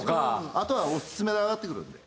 あとはオススメで上がってくるので。